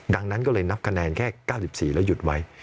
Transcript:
ดังนั้นก็เลยนับคะแนนแค่๙๔แล้วหยุดไว้